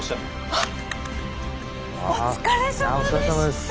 あお疲れさまです。